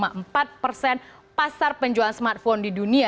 menguasai dua puluh dua koma empat persen pasar penjualan smartphone di dunia